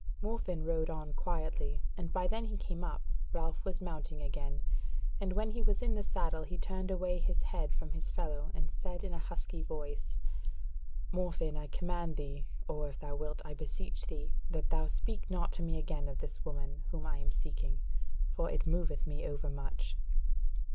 Morfinn rode on quietly, and by then he came up, Ralph was mounting again, and when he was in the saddle he turned away his head from his fellow and said in a husky voice: "Morfinn, I command thee, or if thou wilt I beseech thee, that thou speak not to me again of this woman whom I am seeking; for it moveth me over much."